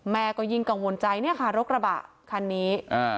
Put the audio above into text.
แม่ก็ยิ่งกังวลใจเนี่ยค่ะรถกระบะคันนี้